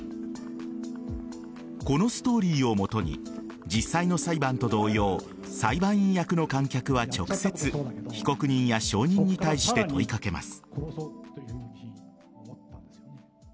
このストーリーをもとに実際の裁判と同様裁判員役の観客は直接、被告人や証人に対して問い掛けます。